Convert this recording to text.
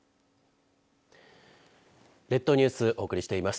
列島ニュースお送りしています。